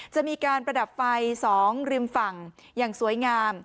จะมีการประดับไฟ๒ริมฝั่งอย่างสวยงาม